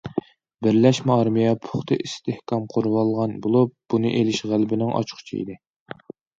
بىرلەشمە ئارمىيە پۇختا ئىستىھكام قۇرۇۋالغان بولۇپ، بۇنى ئېلىش غەلىبىنىڭ ئاچقۇچى ئىدى.